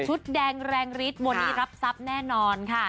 แดงแรงฤทธิวันนี้รับทรัพย์แน่นอนค่ะ